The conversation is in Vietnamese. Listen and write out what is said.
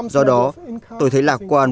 do đó tôi thấy lạc quan